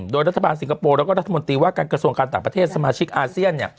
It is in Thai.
โดยรัฐบาลสิงคโปร์แล้วก็รัฐมนตรีว่าการกระทรวงการต่างประเทศสมาชิกอาเซียน